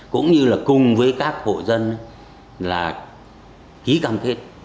cũng như là cùng với các hộ dân là ký cầm thiết